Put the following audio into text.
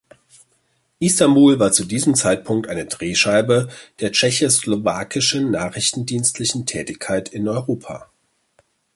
Istanbul war zu diesem Zeitpunkt eine Drehscheibe der tschechoslowakischen nachrichtendienstlichen Tätigkeit in Europa.